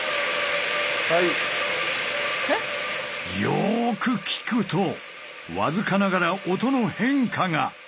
よく聴くと僅かながら音の変化が！